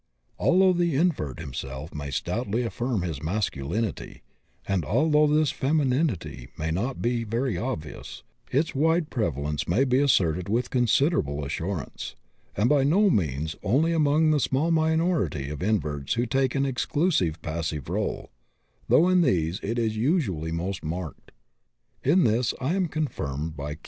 Although the invert himself may stoutly affirm his masculinity, and although this femininity may not be very obvious, its wide prevalence may be asserted with considerable assurance, and by no means only among the small minority of inverts who take an exclusively passive rôle, though in these it is usually most marked. In this I am confirmed by Q.